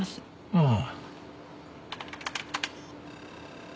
ああ。